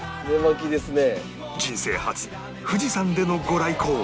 人生初富士山での御来光